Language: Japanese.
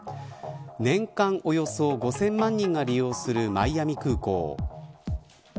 年間およそ５０００万人が利用するマイアミ空港。